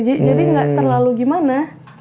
jadi gak terlalu gimana